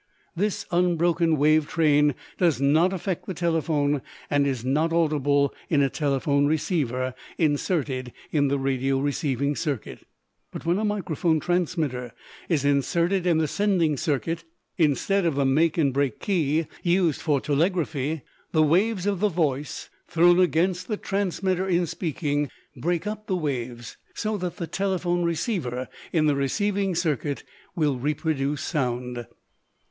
This unbroken wave train does not affect the telephone and is not audible in a telephone receiver inserted in the radio receiving circuit. But when a microphone transmitter is inserted in the sending circuit, instead of the make and break key used for telegraphy, the waves of the voice, thrown against the transmitter in speaking, break up the waves so that the telephone receiver in the receiving circuit will reproduce sound.